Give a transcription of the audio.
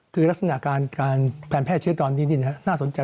คือลักษณะการแพร่เชื้อตอนนี้น่าสนใจ